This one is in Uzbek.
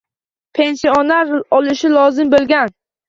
Pensioner olishi lozim bo‘lgan